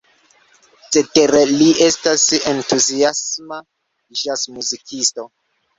Cetere li estas entuziasma ĵaz-muzikisto.